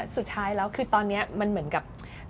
สุดท้ายแล้วคือตอนนี้มันเหมือนกับ